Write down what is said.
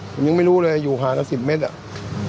ผมยังไม่รู้เลยอยู่ห่างละ๑๐เมตรอะ